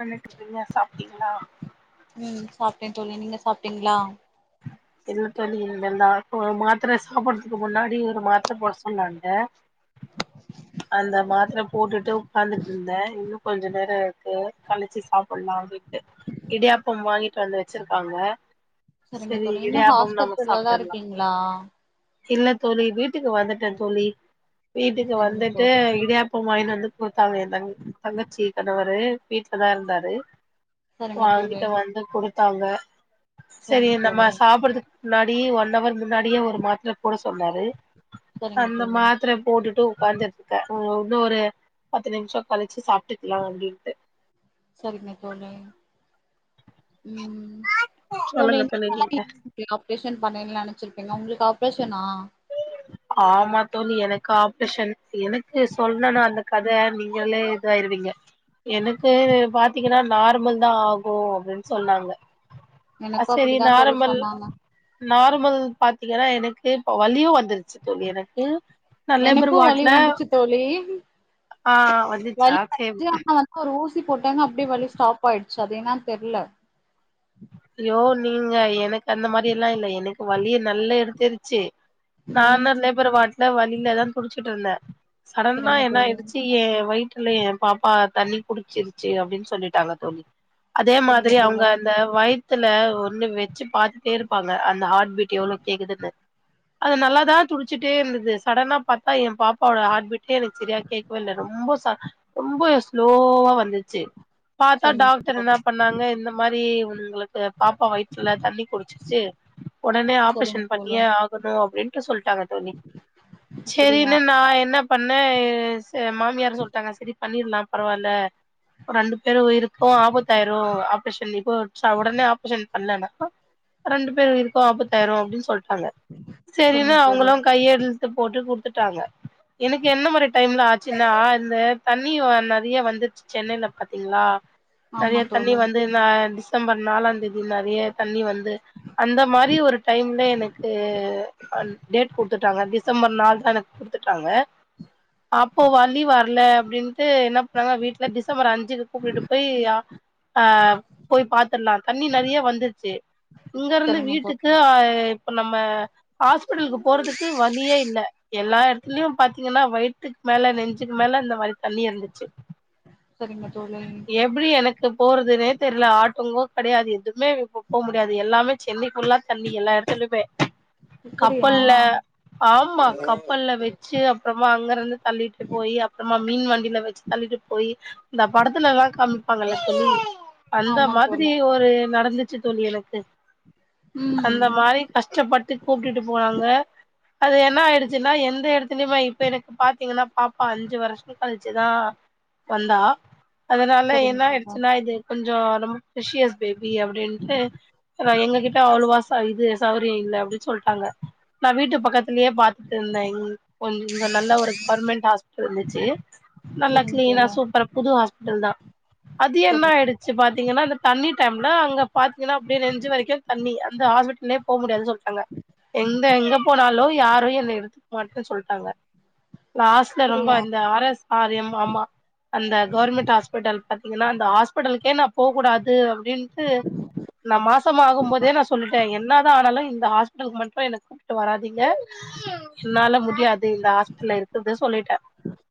அன்னக்கு பிரியா சாப்டீங்களா ம் சாப்டே தோழி நீங்க சாப்டீங்களா [inaudible] இல்ல தோழி இனி மேல்தா மாத்திர சாப்பிட்றதுக்கு முன்னாடி ஒரு மாத்திர போட சொன்னாங்க அந்த மாத்ர போட்டுட்டு உக்காந்துட்டு இருந்தே இன்னும் கொஞ்ச நேர இருக்கு கழிச்சு சாப்பிடலா அப்டின்ட்டு இடியாப்பம் வாங்கிட்டு வந்து வச்சிருக்காங்க சரிங்க சரி தோழி இன்னு இடியாப்பம் நமக்கு ஹாஸ்பத்திரிலதா சாப்டுட்லா இருக்கீங்களா இல்ல தோழி வீட்டுக்கு வந்துட்டே தோழி வீட்டுக்கு சரிங்க வந்துட் தோழி இடியாப்பம்வாயின்னு வந்து கொடுத்தாங்க என் தங்க தங்கச்சி கணவரு வீட்லதா இருந்தாரு சரிங்க தோழி வாங்கிட்டு வந்து குடுத்தாங்க சரி சரிங்க நம்ம தோழி சாப்புட்றது முன்னாடி ஒன் அவர் முன்னாடியே ஒரு மாத்ர போட சொன்னாரு சரிங்க அந்த தோழி மாத்ர போட்டுட்டு உக்காந்துரு க்க இன்னோ ஒரு பத்து நிம்ஷோ கழிச்சு சாப்ட்டுக்லா அப்டின்ட்டு சரிங்க தோழி ம் தோழி சொல்லுங்க நீங்க [unintelligible] ஆப்ரேஷன் பண்ணனு நெனைச்சிருப்பீங்க உங்ளுக்கு ஆப்ரேஷனா ஆமா தோழி எனக்கு ஆப்ரேஷன் எனக்கு சொல்னுனா அந்த கத நீங்களே இதாயிருவீங்க எனக்கு பாத்திங்கன்னா நார்மல்தா ஆகு அப்டின்னு சொன்னாங்க அது எனக்கு சேரி அப்டிதா தோழி நார்மல் சொன்னாங்க நார்மல் பாத்திங்கன்னா எனக்கு இப்ப வலியு வந்துருச்சு தோழி எனக்கு நா லேபர் எனக்கு வலி வாட்ல வந்துச்சு தோழி வலி வந்துச்சு ஆனா வந்து ஒரு ஊசி போட்டாங்க அப்டியே வழி ஸ்டாப் ஆய்டுச்சு அது என்னான் தெரில ஐயோ நீங்க எனக்கு அந்த மாரிலா இல்ல எனக்கு வழி நல்லா எடுத்துருச்சு ம் நானு லேபர் வாட்ல வழியிலதா துடிச்சுகிட்டு இருந்தே சடனா சரிங்க என்ன தோழி ஆய்டுச்சு என் வயி துல்ல ஏ பாப்பா தண்ணி குடிச்சிருச்சு அப்டின்னு சொல்லிட்டாங்க தோழி அதே சரிங்க மாதிரி அவுங்க தோழி அந்த வயத்துல ஒண்ணு வச்சு பாத்துட்டே இருப்பாங்க அந்த ஹார்ட்பீட் எவ்ளோ கேக்குதுன்னு அது நல்லாதா துடிச்சுட்டே இருந்துது சடனா பாத்தா எ பாப்பாவோட ஹார்ட்பீட்டே எனக்கு சரியா கேக் கவேல்ல ரொம்ப ச ரொம்ப ஸ்லோவா வந்துச்சு பாத்தா சரிங்க தோழி டாக்ட்ருஎன்ன பண்ணாங்க இந்த மாரி உங்ளுக்கு பாப்பா வயித்துல தண்ணி குடிச்சிருச்சு ஒடனே சரிங்க ஆபரேஷன் தோழி பண்ணியே ஆகனு அப்டின்ட்டு சொல்ட்டாங்க தோழி அப்படியா சேரின்னு நா என்ன பண்ணே எ மாமியார்சொல்ட்டாங்க சரி பண்ணிரலா பரவால்ல ரெண்டு பேரு உயிருக்கு ஆபத்தாயிரு ரேஷன் இப்போ உடனே ஆப்ரேஷன் பண்ணலனாக்க ரெண்டு பேர் உயிருக்கு ஆபத்தக்தாயிரு அப்டினு சொல்ட்டாங்க சேரின்னுா சரிங்க அவுங்களு தோழர் கையெழுத்து போட்டு குடுத்துட்டாங்க எனக்கு என்ன மாரி டைம்ல ஆச்சுன்னா இந்த தண்ணி வந் நெரிய வந்துச்சு சென்னையில பாத்திங்ளா ஆமா தணியா தண்ணி தோழர் வந் டிசம்பர் நாலா தேதி நெறைய தண்ணி வந்து அந்த மாதிரி ஒரு டைம்ல எனக்கு டேட் குடுத்துட்டாங்க டிசம்பர் நாள் தான குடுத்துட்டாங்க அப்போ வலி வர ல்ல அப்டின்ட்டு என்ன பண்ணாங்கா வீட்ல டிசம்பர் அஞ்சுக்கு கூப்ட்டுட்டு போய் அ போய் பாத்துருலா தண்ணி நெறைய வந்துருச்சு இங்க இருந்து சரிங்க வீட்டுக்கு தோழர் அ இப்ப நம்ம ஹாஸ்பிட்டலுக்கு போறதுக்கு வழியே இல்ல எல்லா எடத்துலயு பாத்திங்கன்னா வயித்துக்கு மேல நெஞ்சுக் மேல இந்த மாரி தண்ணி இருந்துச்சு சரிங்க தோழி புரி எனக்கு போறதுனே தெர்ல ஆட்டோங்க கெடையாது எதுமே இ போ முடியாது எல்லாமே சென்னை ஃபுல்லா தண்ணி எல்லா எடத்துலுமே இப்படியா கப்பல்ல ஆமா கப்பல்ல வச்சு அப்றமா அங்கருந்து தள்ளிட்டு போய் அப்றமா மீன் வண்டியில வச்சு தள்ளிட்டு போய் இந்த படத்துல எல்லா காமிப்பா ழி அந்த ஆமா மாதிரி தோழர் ஒரு நடந்துச்சு தோழி எனக்கு அந்த ம் மாரி கஷ்டப்பட்டு கூப்ட்டுட்டு போனாங்க அது என்ன ஆய்டுச்சுனா எந்த எடத்துலயுமே இப்ப எனக்கு பாத்தீங்கன்னா பாப்பா அஞ்சு வரு ஷங் கழுச்சுதா வந்தா அதுனால சரிங்க என்ன தோழர் ஆய்டுச்சுனா இது கொஞ்சோ ரொம்ப ப்ரிசியஸ் பேபி அப்டின்ட்டு அப்பறோ எங்ககிட்ட அவ்ளவா பா இது சௌரியோ இல்ல அப்டின் சொல்ட்டாங்க நா வீட்டு பக்கத்துலயே பாத் திருந்தே இங் கொஞ் இங்க நல்ல ஒரு கவர்மண்ட் ஹாஸ்பிட்டல் இருந்துச்சு நல்லா சரிங்க கிளீனா தோழர் சூப்பரா புது ஹாஸ்பிட்டல் தா அது என்ன சரிங்க ஆய்டு ச்சு பாத்தீங்கன்னா அந்த தண்ணி டைம்ல அங்க பாத்தீங்கன்னா அப்டியே நெஞ்சு வரைக்கு தண்ணி அந்த ஹாஸ்பிட்டலே போ முடியாதுன் சொல்ட்டாங்க எந்த எங்க போனாலு யாரு என்ன எடுத்துக்க மாட்டேன் சொல்ட்டாங்க லாஸ் டா ரொம்ப அப்படியா இந்த ஆர் எஸ் ஆர் எம் ஆ மா அந்த கவர்மண்ட் ஹாஸ்பிட்டல் பாத்தீங்கன்னா இந்த ஹாஸ்பிட்டல்க்கே நா போகூடாது அப்டின்ட்டு நா மாசமாகும் போதே நா சொல்லிட்டே என்ன தா ஆனாலு இந்த ஹாஸ் பிட்டல்க்கு மட்டு என்ன கூப்ட்டு வராதிங்க என்னால முடியாது இந்த ஹாஸ்பிட்ல இருக்குறது சொல்லிட்டே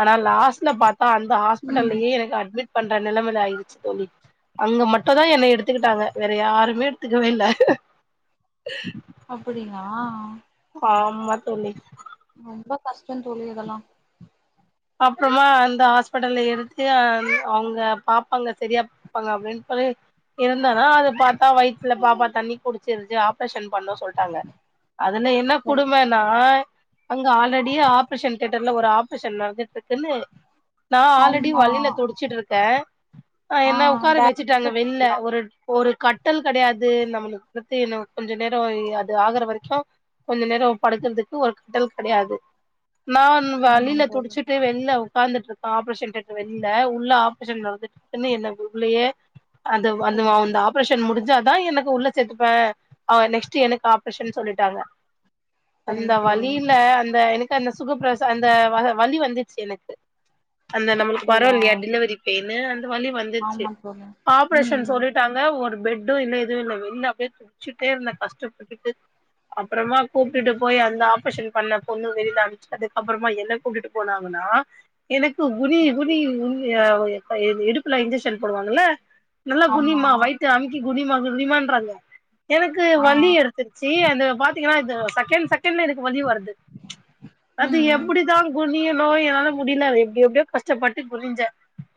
ஆனா லாஸ்ட்ல பா த்தா அந்த ம் ஹாஸ்பிட்டல்லயே எனக்கு அட்மிட் பண்ற நெலமேல ஆய்றுச்சு தோழி அங்க மட்டுந் தா என்ன எடுத்துக்கிட்டாங்க வேற யாருமே எடுத்துக்கவே இல்ல அப்பிடியா ஆமா தோழி ரொம்ப கஷ்டோந் தோழி இதல்லா அப்பறமா அந்த ஹாஸ்பிட்டல்ல எடுத்து அந்த அவுங்க பாப்பாங்க சரியா ப்பாங்க அப்டின் சொல்லி இருந்தன்னா அது பாத்தா வயித்துல பாப்பா தண்ணி குடு ச்சுர்ச்சு ஆப்ரேஷன் பண்ணொ சொல்ட்டாங்க அதுல என்ன சரி குடுமன்னா அங்க ஆல்ரெடி ஆப்ரேஷன் தேட்டர்ல ஒரு ஆப்ரேஷன் நடந்துட்டு இருக்குன்னு நா ஆல்ரெடி ஆமா வலில துடிச்சுட்டு இருக்கே ஆ என்ன உக்கார டேரக்டா வச்சுட்டாங்க வெள்ல குடுத்துடலாம் ஒரு ஒரு கட்டுல் கெடையாது நம்மளுக்கு பத்து நமக்கு கொஞ்ச நேரோ அது ஆகுற வரைக்கு கொஞ்ச நேரோ படுக்கறதுக்கு ஒரு கட்டுல் கெடையாது நான் ஆமா வலில தோழி துடுச்சு டு வெளில உக்காந்துட்ருக்கே ஆப்ரேஷன் தேட்ரு வெளில உள்ள ஆப்ரேஷன் நடந்துட்டு என்ன என்ன கூகுலயே அந்த அந்த சரிங்க அந்த தோழி அப் ஆப்ரஷன் முடுஞ்சாதா எனக்கு உள்ள சேத்துப்பே அவெ நெக்ஸ்ட்டு எனக்கு ஆப்ரேஷன் சொல்லிட்டாங்க அந்த சரிங்க தோழி வலீல அந்த எனக்கு அந்த சுகப்பிரச அந்த அஹ வலி வந்து ச்சு எனக்கு அந்த நம்மளுக்கு வரு அப்படியா இல்லையா டெலுவரி பெய்னு அந்த வலி வந் துருச்சு ஆமா தோழி ம் ஆப்ரேஷன் சொல்லிட் டாங்க ஒரு பெட்டு இல்ல எதுவு இல்ல வெளில அப்டியே துடுச்சுட்டே இருந்தே கஷ்டப்பட்டுட்டு அப்பறமா கூப்டுட்டு ம் போயி அந்த ஆப்ரேஷன் பண்ண பொண்ணு வெளில அம்ச்சு அதுக்கப்பறமா என்ன கூப்டுட்டு போனாங்கனா எனக்கு குனி குனி உ வ இடுப்புல இன்ஜெக்க்ஷன் போடுவாங்கல்ல நல்லா ஆமா குனிமா வயித்த அமுக்கி குனிமா குனிமான்றாங்க எனக்கு ஆ வலி எடு த்திர்ச்சி அது பாத்தீங்கனா இது செகண்ட் செகண்ட்ல எனக்கு வலி வருது அது ம் எப்டிதா குனியனோ என்னால முடியல அது எப்டி எப்டியோ கஷ்டப்பட்டு குனுஞ்சே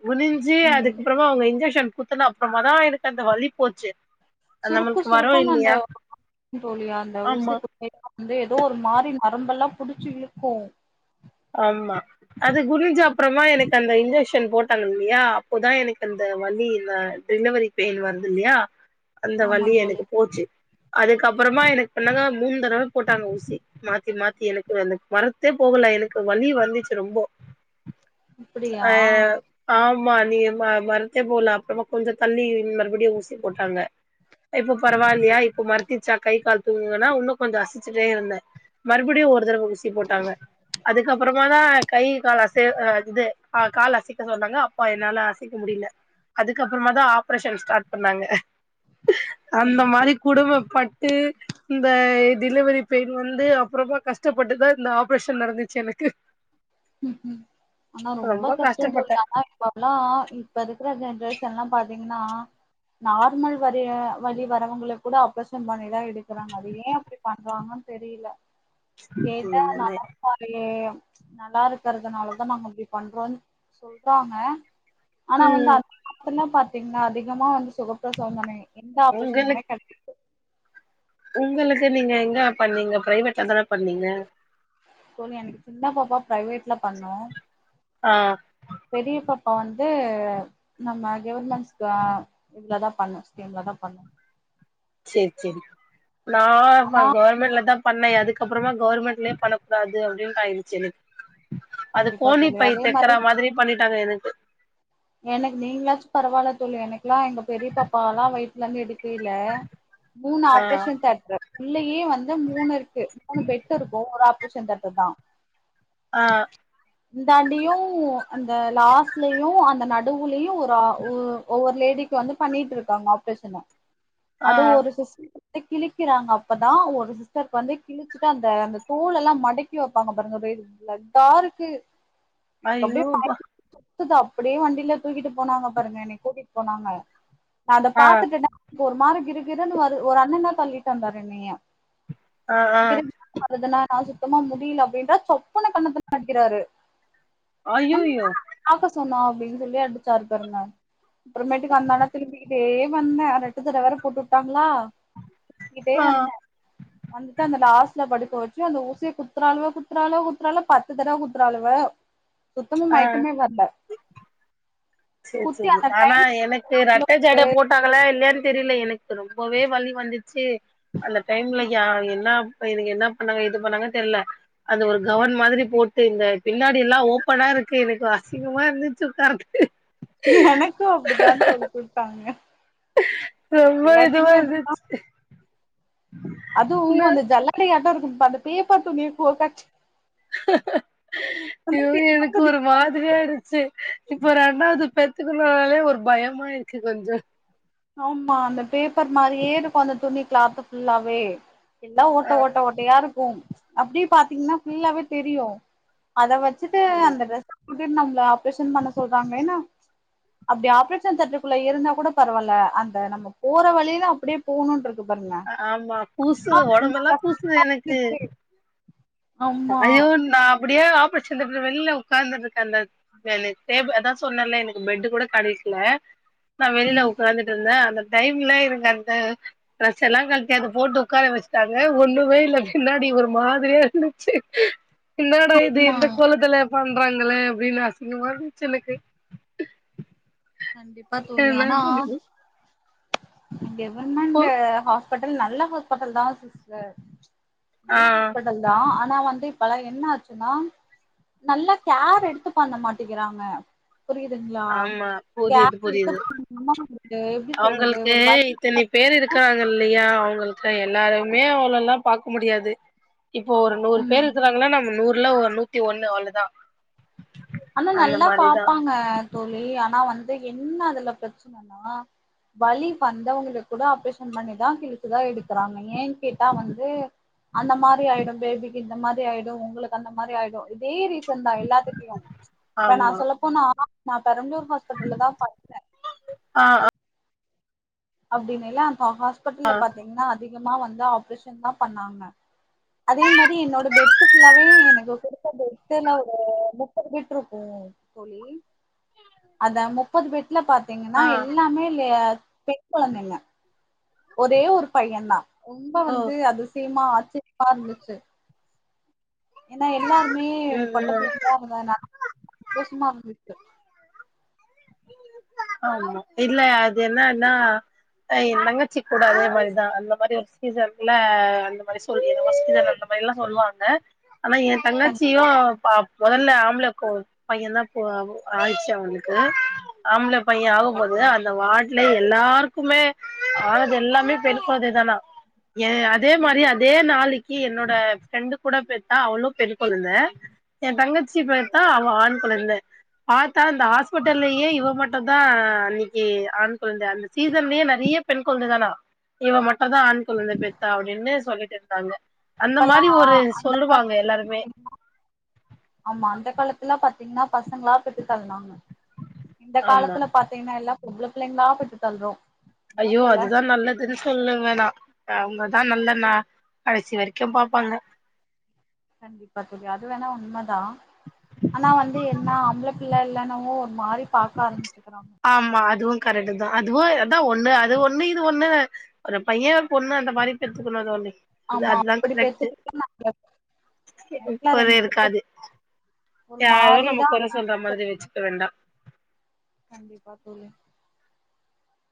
குனுஞ்சு ம் அது க்கப்பறமா அவுங்க இன்ஜெக்க்ஷன் குத்துனா அப்பறமா தா எனக்கு அந்த வலி போச்சு சுருக்கு நம்மளுக்கு வரு சுருக்குனு அந்த இல்லையா தோழி அந்த ஆமா ஊசி குத் [inaudible] வந்து ஏதோ ஒரு மாரி நரம்பல்லா புடுச்சு இழுக்கு ஆமா அது குனுஞ்சப்பறமா எனக் அந்த இன்ஜெக்ஷன் போட் டாங்க இல்லயா அப்போதா எனக்கு அந்த வலி அந்த டெலவரி பெயின் வருது இல்லையா அந்த ஆமா வலி தோழி எனக்கு போச்சு அதுக்கப்பறமா எனக்கு பண்ணாங்க மூண் தடவ போட்டாங்க ஊசி மாத்தி மாத்தி எனக்கு அந்த மரத்தே போகல எனக் வலி வந்துச்சு ரொம்போ அப்டியா அ ஆமா நீ ம மர்த்தே போல அப்றமா கொஞ்ச தள்ளி மறுபடியு ஊசி போட்டாங்க இப்போ சரிங்க பரவாலியா தோழி இப்ப மறுத்திச்சா கை கால் தூங்குங்கன்னா உன்னு கொஞ்சோ அசச்சுட்டே இருந்த மறுபுடியு ஒரு தடவ ஊசி போட்டாங்க அதுக்கப்றமா தா கை கால் அசை அ இது ஆ கால் அசைக்க சொன்னாங்க அப்போ என்னால அசைக்க முடியல அதுக்கப்றமா தா ஆப்ரேஷன் ஸ்டாட் பண்ணாங்க அந்த சரிங்க தோழி மாரி குடும்பப்பட்டு இந்த டெலிவரி பெய்ன் வந்து அப்றமா கஷ்டப்பட்டுதா இந்த ஆப்ரேஷன் நடந்து செனக்கு ம் ம் ஆனா ரொம்ப கஷ்டந் தோழி ஆனா இப்போ ல்லா இப்ப இருக்கிற ஜென்ரேஷன்ல்லா பாத்தீங்கன்னா நார்மல் வரி வலி வரவங்க கூட ஆப்ரேசன் பண்ணிதா எடு க்குறாங்க அது ஏ அப்டி பண்றாங்கன் தெரியல கேட்டா நா உண்மையாலுமே [unintelligible] நல்லா இருக்கறதுனாலதா நாங்க இப்டி பண்றோன் சொல்றாங்க ஆனா வந்து ம் அந்த காலத்துலலா பாத்தீங்கன்னா அதிகமா வந்து சுகப்பிரசவம் தானே எந்த ஆப்ரஷனுமே உங்களுக்கு கெடையா உங்களுக்கு நீங்க எங்க பண்ணீங்க ப்ரைவேட்ல தான பண்ணீங்க சோனி எனக்கு சின்ன பாப்பா ப்ரைவேட்ல பண்ணோ ஆ பெரிய பாப்பா வந்து நம்ம கவர்மெண்ட் ஸ் க இதுல தா பண்ணு ஸ்கீம்ல தா பண்ணு சேரி சேரி நா ஆனா கவர்மெண்ட்ல தா பண்ண அதுக்கப்றமா கவர்மெண்ட்லே பண்ணக் கூடாது அப்டின்டு ஆய்டுச்சு எனக்கு அது கண்டிப்பா கோனி தோழி பை அதே மாரி தெக்கரா மாதிரி பண்ணிட்டாங்க எனக்கு எனக்கு நீங்களாச்சு பரவால்ல தோழி எனக்குல்லா எங்க பெரிய பாப்பாவல்லா வய்த்துல இருந்து எடுக்கையில மூணு ஆ ஆப்ரேஷன் தேட்ரு உள்ளயே வந்து மூணு இருக்கு மூணு பெட் இருக்கு ஒரு அப் ப்ரேஷன் தேட்ரு தா ஆ இந்தாண்டயு அந்த லாஸ்ட்லயு அந்த நடுவுலயு ஒ தா உ ஒவ்வொரு லேடிக்கு வந்து பண்ணிட்ர்க்காங்க ஆப்ரேஷனு ஆ அது ஒரு சிஸ் டர் கிழிக்கிறாங்க அப்பதானன ஒரு சிஸ்டர் வந்து கிள் ழிச்சிட்டு அந்த அந்த தோல் எல்லா மடக்கி வெப்பாங்க பாருங்க வயிறுகுள்ள ப்ளட்டா இருக்கு எனக்கு அப்படியே ஐயோ ப்பா [inaudible] சுத்துதா அப்டியே வண்டில தூக்கிட்டு போனாங்க பாருங்க என்னய கூட்டிட்டு போனாங்க நா அத ஆ பாத்துட்டனா போ ஒரு மாரி கிறுகிறுன்னு வரு ஒரு அண்ண தா தள்ளிட்டு வந்தாரு என்னைய ஆ ஆ அதுனா நா சுத்தமா முடியல அப்டின்றா சப்புன்னு கண்ணத்துல அடிக்கிறாரு அய்யோயோ உன்னையதா பாக்க சொன்னா அப்டின்னு சொல்லி அடிச்சாரு பாருங்க அப்றமேட்டுக்கு அந்தா இந்தான் தூங்கி கிட்டே வந்த அ ரெட்ட ஜட வேற போட்டு உட்டாங்ளா தூங்கிட்டே ஆ வந்த வந்துட்டு அந்த லாஸ்ட்ல படுக்க வச்சு அந்த ஊசிய குத்துறால்வ குத்துறால்வ குத்துறால்வ பத்து தடவ குத்துறாளுவ [inaudible] சுத்தமா ஆ மயக்கமே வர்ல சேரி சேரிங்க அந்த ஆனா கைல எனக் ஏ ரெட்ட ஜட போட்டாங்களா இல்லயான்னு தெரில எனக்கு ரொம்பவே வலி வந்துச்சு அந்த டைம்ல ஏ எனக்கு என்ன பண்ணாங்க இது பண்ணாங்கன்னு தெரியல அந்த ஒரு கவுன் மாரி போட்டு இந்த பின்னாடி எல்லா ஓப்பனா இருக்கு எனக்கு அசிங்கமா இருந்துச்சு உட்காரது எனக்கு அப்படிதா தோழி குடுத்தாங்க ரொம்ப இதுவா எல்லாத்துக்குமே அப்படித்தா இருந்துச்சு அது ல அந்த ஜல்லடையாட்டோ இருக்கு அந்த பேப்பர் துணிய கோக்காச்சி ஆ அந்த [inaudible] பேப்பர் எனக்கு துணி ஒரு மாதிரியாயிடுச்சு இப்போ ரெண்டாவது பெத்துக்கனுனாலே ஒரு பயம்மாயிடுச்சு கொஞ்சு ஆமா அந்த பேப்பர் மாரியே இருக்கு அந்த துணி கிளாத்து ஃபுல்லாவே எல்லா ஓட்ட ஆ ஓட்ட ஓட்ட க்கயா இருக்கு அப்டியே பாத்தீங்கன்னா புல்லாவே தெரியு அத வெச்சுட்டு ஆமா ட்ரெஸ்சு போட்டு நம்மள ஆப்ரேஷன் பண்ண சொல்றாங்கன்னு அப்டி ஆப்ரேஷன் [unintelligible] தட்டுக்குள்ள இருந்தா கூட பரவால்ல அந்த நம்ம போற வழியில அப்டியே போணா போது சூப்பருங்க ஆமா கூசு ஒடம்பெல்லா கூசுது எனக்கு [unintelligible] ஐயோ நா அப்டியே ஆப்ரேஷன் தியேட்டர் வெளியில உட்காந்துட்டு இருக்கே அந்த எனக்கு ஸ்டேப் அதா சொன்னேல எனக்கு பேட்டு கூட கெடக்கல நா வெளியில ம் உக்காந்துட்டு இருந்தே அந்த டைம்ல எனக்கு அந்த டிரஸ் எல்லா கழட்டி அத போட்டு உட்கார வச்சுட்டாங்க ஒண்ணுமே இல்ல பின்னாடி ஒரு மாதிரியா இரு என்னடா இது ஆமா இந்த கோலத்துல பண்றாங்களே அப்டின்னு அசிங்கமா போச்சு எனக்கு கண்டிப்பா தோழி ஆனா போ கவர்மெண்ட் ஹாஸ்பி ஹாஸ்பிட்டல் நல்ல ஹாஸ்பிட்டல் தா சிஸ்டர் ஆ நல்ல ஹாஸ்பிட்டல் பட் தா ஆனா வந்து இப்பல என்ன ஆச்சுன்னா நல்லா கேர் எடுத்து பண்ண மாட்டிக்கிறாங்க புரியுதுங்களா ஆமா புரியுது கேர் புரியுது எடுத்து எப்டி சொல்றது அவுங்களுக்கு ஒரு வழி இத்தனே பேர் இருக்கு இருக்காக இல்லையா அவங்களுக்கு எல்லாருமே அவள எல்லா பாக்க முடியாது இப்போ ஒரு நூறு ம் பேர் இருக்கிறாங்கனா நம்ம நூர்ல ஒரு நூத்தி ஒண்ணு அவ்வளோ தா ஆனா நல்லா பாப்பாங்க தோழி ஆனா வந்து என்ன அதுல பிரச்சனைனா வலி வந்தவங்கள கூட ஆப்ரேஷன் பண்ணிதா கிழிச்சுதா எடுக்குறாங்க ஏன்னு கேட்டா வந்து அந்த மாரி ஆயிடு பேபிக்கு இந்த மாரி ஆயிடு உங்களுக்கு அந்த மாரி ஆயிடு இதே ரீசன் தா எல்லாத்துட்டையு இப்ப நா ஆமா சொல்லப்போனா நா பெரம்பூர் ஹாஸ்பிட்டல்ல தா பாத்தே ஆ அப்டின்ல்லா அந்த ஹாஸ்பிட்டல்ல பாத்தீங்கன்னா அதிகமா வந்து ஆப்ரேஷன் தா பண்ணாங்க அதே மாரி என்னோட பெட்டு ஃபுல்லாவே எனக்கு கொடுத்த பெட்டுல ஒரு முப்பது பெட் இருக்கு தோழி அந்த முப்பது பெட்ல பாத்தீங்கன்னா ஆ எல்லாமே லே கொழந்தைங்க ஒரே ஒரு பைய தா ரொம்ப ஓ வந்து அதிசயமா ஆச்சரியமா இருந்துச்சு ஏன்னா எல்லாருமே ம் ம் பொட்டப்புள்ளைங்களா அதனால நா சந்தோஷமா இருந்துச்சு ஆமா இல்ல அது என்னான்னா எ தங்கச்சி கூட அதே மாரிதா அந்த மாரி ஒரு சீசன்ல அந்த மாரி சொல்லிருவா [unintelligible] எல்லா சொல்லுவாங்க ஆனா கண்டிப்பா தங்காச்சியு ப மொதல்ல ஆம்பள கோ பையன் தா போ ஆச்சு அவளுக்கு கு ஆம்பள பைய கண்டிப்பா ஆகும்போது தோழி அந்த வாட்ல எல்லாருக்குமே ஆனது எல்லாமே பெண் கொழந்தே தானா அதே மாரி ம் அதே நாளைக்கி என்னோட ஃப்ரெண்டு கூட பெத்தா அவுளு பெரு கொழந்த எ தங்கச்சி கண்டிப்பா பாத்தா தோழி அவ ஆண் கொழந்த. பாத்தா அந்த ஹாஸ்பிட்டல்லயே இவ மட்டுந்தா அன்னிக்கி ஆண் கொழந்த அந்த சீசன்லியே நெறைய பெண் கொழந்ததானா. இவ மட்டந்தா ஆண் கொழந்த பெத்தா அப்டின்னு சொல்லிட்டு இருந்தாங்க. அந்த இப்பல்லா மாரி ஒரு அந்த சொல்லுவாங்க எல்லாருமே. காலத்து ஆமா அந்த காலத்துல்லா பாத்தீங்கன்னா பசங்களா பெத்து தள்னாங்க. இந்த ஆமா காலத்துல பாத்தீங்கன்னா எல்லா பொம்பள பிள்ளைங்ளா பெத்து தள்றோ. என்ன அய்யோ சொல்ல அதுதா நல்ல எது சொல்ல வேணா அவுங்கதா நல்ல ந கடைசி வரைக்கும் பாப்பாங்க. கண்டிப்பா தோழி அது வேணா உண்மதா. ஆனா வந்து என்ன ஆம்பள பிள்ள இல்லனாவு ஒரு மாரி பாக்க ஆரம்ச்சுக்கறாங்க. ஆமா அதுவு கரெக்ட்டுதா அதுவு அதா ஒன்னு அது ஒன்னு இது ஒன்னு. ஒரு பைய ஒரு பொண்ணு அந்த மாரி பெத்துக்குணு தோழி. ஆமா அப்பிடி பெத்து [inaudible] [inaudible] கொறையு இருக்காது. ஒரு யாரு நம்ம மாறிதா கொற சொல்றா மாரி வெச்சுக்க வேண்டா. கண்டிப்பா தோழி.